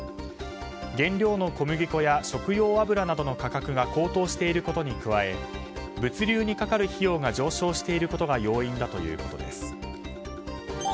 原料の小麦粉や食用油などの価格が高騰していることに加え物流にかかる費用が上昇していることが要因だということです。